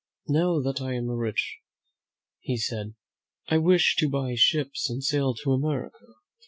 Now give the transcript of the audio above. "Now, that I am rich," he said, "I wish to buy ships and sail to America.